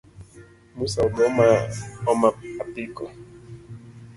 Musa ogo ma oma apiko